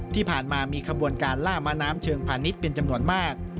ที่ผ่านมามีขบวนการล่าม้าน้ำเชิงพาณิชย์เป็นจำนวนมาก